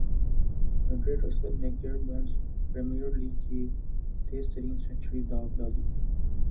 ندرے Russell نے Caribbeans Premier league کی تیز ترین سنچری داغ ڈالی